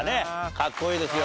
かっこいいですよ。